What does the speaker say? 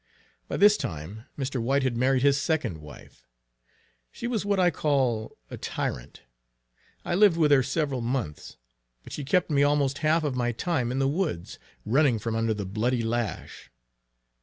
By this time Mr. White had married his second wife. She was what I call a tyrant. I lived with her several months, but she kept me almost half of my time in the woods, running from under the bloody lash.